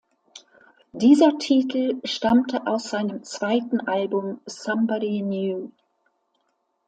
Dieser Titel stammte aus seinem zweiten Album "Somebody New".